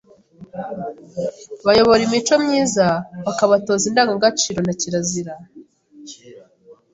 bayobora imico myiza, bakabatoza Indangagaciro na Kirazira